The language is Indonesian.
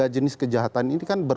jenis kejahatan ini kan